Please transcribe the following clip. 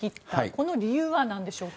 この理由はなんでしょうか？